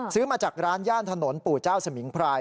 ซื้อมาจากร้านย่านถนนปู่เจ้าสมิงพราย